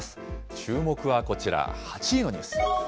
注目はこちら、８位のニュース。